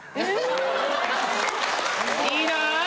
いいな！